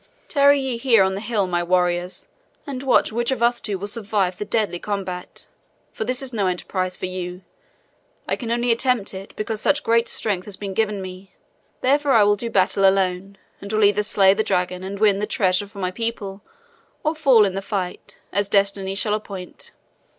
"Tarry ye here on the hill, my warriors, and watch which of us two will survive the deadly combat, for this is no enterprise for you. I only can attempt it, because such great strength has been given to me. Therefore I will do battle alone and will either slay the dragon and win the treasure for my people or fall in the fight, as destiny shall appoint."